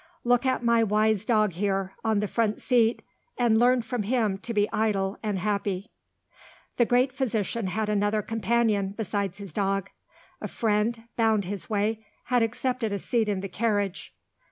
Look at my wise dog here, on the front seat, and learn from him to be idle and happy." The great physician had another companion, besides his dog. A friend, bound his way, had accepted a seat in the carriage.